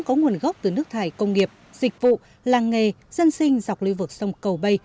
có nguồn gốc từ nước thải công nghiệp dịch vụ làng nghề dân sinh dọc lưới vực sông cầu bây